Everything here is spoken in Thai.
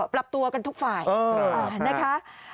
ปรับตัวกันทุกฝ่ายนะคะ